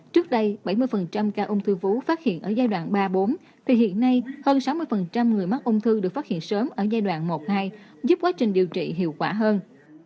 trước đây bảy mươi ca ung thư vú phát hiện ở giai đoạn ba bốn thì hiện nay hơn sáu mươi người mắc ung thư được phát hiện sớm ở giai đoạn một hai giúp quá trình điều trị hiệu quả hơn